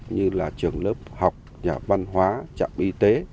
như là trường lớp học nhà văn hóa trạm y tế